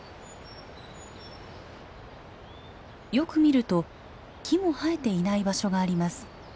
よく見ると木も生えていない場所があります。